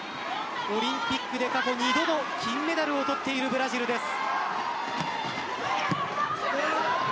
オリンピックで過去２度も金メダルを取っているブラジルです。